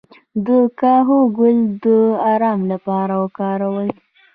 د کاهو ګل د ارام لپاره وکاروئ